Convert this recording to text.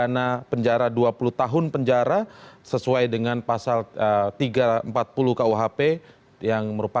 karena sudah cukup